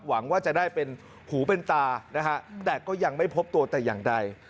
หวังว่าจะหูเป็นตาแต่ก็ยังไม่พบตัวแต่อย่างใด